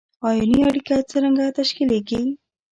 آیوني اړیکه څرنګه تشکیلیږي؟